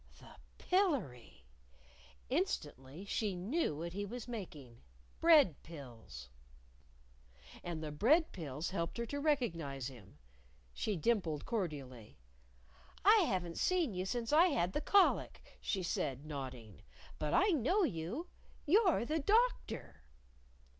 The Pillery! Instantly she knew what he was making bread pills. And the bread pills helped her to recognize him. She dimpled cordially. "I haven't seen you since I had the colic," she said, nodding, "but I know you. You're the Doctor!"